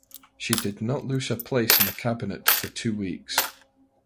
She did not lose her place in the cabinet for two weeks.